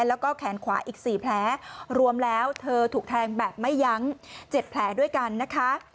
แล้วก็แขนขวาอีก๔แผลรวมแล้วเธอถูกแทงแบบไม่ยั้ง๗แผลด้วยกันนะคะ